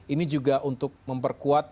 ini juga untuk memperkuat